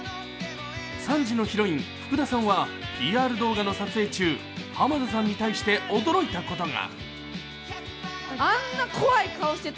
３時のヒロイン福田さんはＰＲ動画の撮影中浜田さんに対して驚いたことが。